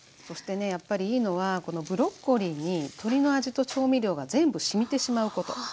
そしてねやっぱりいいのはこのブロッコリーに鶏の味と調味料が全部しみてしまうこと。